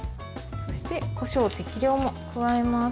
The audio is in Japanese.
そして、こしょう適量も加えます。